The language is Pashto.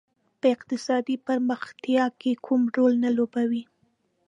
په اقتصادي پرمختیا کې کوم رول نه لوبوي.